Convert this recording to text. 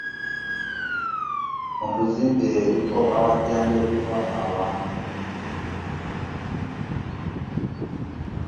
Mutuzimbire ebifo awajjanjabirwa abantu.